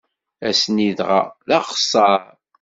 Ass-nni dɣa, d axeṣṣaṛ.